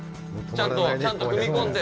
ちゃんと踏み込んで。